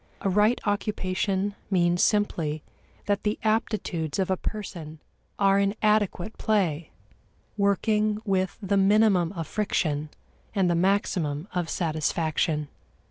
A right occupation means simply that the aptitudes of a person are in adequate play, working with the minimum of friction and the maximum of satisfaction.